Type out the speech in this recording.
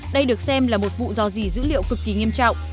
đây được xem là một vụ do gì dữ liệu cực kỳ nghiêm trọng